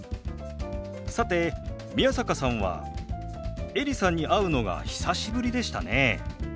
さて宮坂さんはエリさんに会うのが久しぶりでしたね。